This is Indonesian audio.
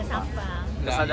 tidak ada sampah